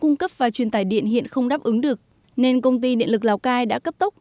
giải điện hiện không đáp ứng được nên công ty điện lực lào cai đã cấp tốc